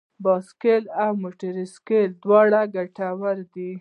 بايسکل او موټر سايکل دواړه ګټور دي.